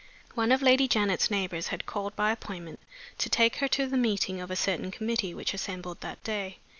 One of Lady Janet's neighbors had called by appointment to take her to the meeting of a certain committee which assembled that day.